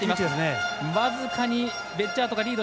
僅かにベッジャートがリード。